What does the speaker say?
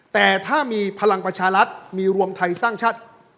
แต่ถ้ามีพลังประชารัฐมีรวมไทยสร้างชาติ